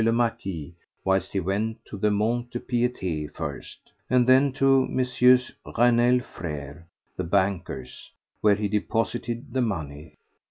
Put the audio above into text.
le Marquis whilst he went to the Mont de Piété first, and then to MM. Raynal Frères, the bankers where he deposited the money.